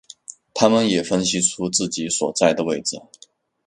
他们也分析出自己所在的位置。